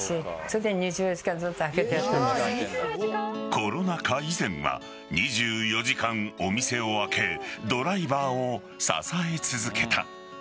コロナ禍以前は２４時間お店を開けドライバーを支え続けた。